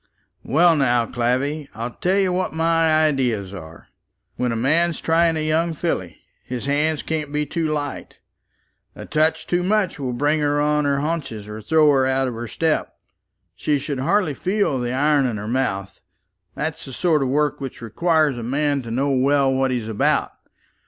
"Well, now, Clavvy, I'll tell you what my ideas are. When a man's trying a young filly, his hands can't be too light. A touch too much will bring her on her haunches, or throw her out of her step. She should hardly feel the iron in her mouth. That's the sort of work which requires a man to know well what he's about.